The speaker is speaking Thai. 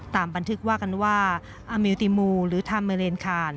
บันทึกว่ากันว่าอามิวติมูหรือทาเมเลนคาน